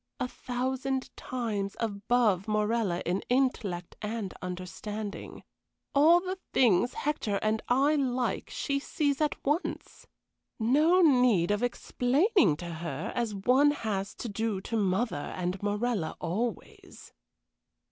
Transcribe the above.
A thousand times above Morella in intellect and understanding. All the things Hector and I like she sees at once. No need of explaining to her, as one has to to mother and Morella always."